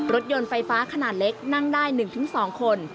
รถยนต์ไฟฟ้าขนาดเล็กนั่งได้๑๒คน